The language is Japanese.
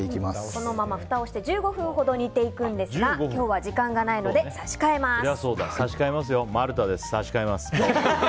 このままふたをして１５分ほど煮ていくんですが今日は時間がないので差し替えます。